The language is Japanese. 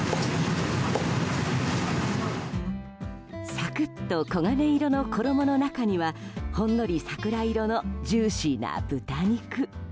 さくっと黄金色の衣の中にはほんのり桜色のジューシーな豚肉。